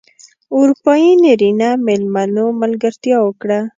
اروپايي نرینه مېلمنو ملګرتیا وکړه.